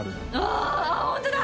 ああホントだ！